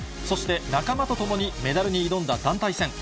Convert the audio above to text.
そして、仲間と共にメダルに挑んだ団体戦。